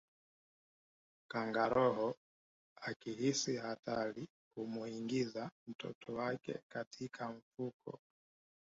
kangaroo akihisi hatari humuingiza mtoto wake katika mfuko